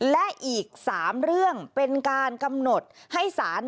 และอีก๓เรื่องเป็นการกำหนดให้สาร